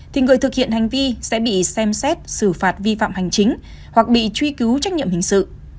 thì người thực hiện hành vi sẽ bị xem xét xử phạt vi phạm hành chính hoặc bị truy cứu trách nhiệm hình sự